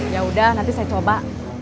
yaudah nanti saya coba